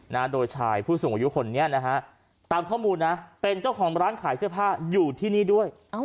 นะโดยชายผู้สูงอายุคนนี้นะฮะตามข้อมูลนะเป็นเจ้าของร้านขายเสื้อผ้าอยู่ที่นี่ด้วย